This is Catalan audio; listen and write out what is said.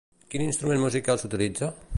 Quin instrument musical s'utilitza?